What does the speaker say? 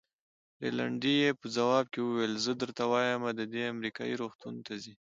رینالډي یې په ځواب کې وویل: زه درته وایم، دی امریکایي روغتون ته ځي.